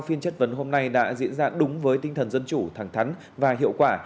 phiên chất vấn hôm nay đã diễn ra đúng với tinh thần dân chủ thẳng thắn và hiệu quả